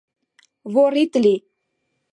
Вор ит лий!